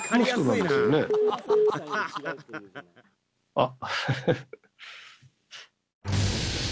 あっ